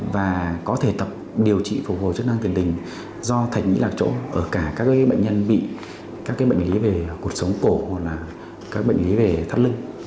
và có thể tập điều trị phục hồi chức năng tiền đình do thạch nhĩ lạc chỗ ở cả các bệnh nhân bị các bệnh lý về cuộc sống cổ hoặc là các bệnh lý về thắt lưng